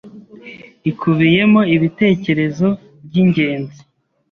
ikubiyemo ibitekerezo by’ingenzi